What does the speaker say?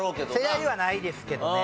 世代ではないですけどね。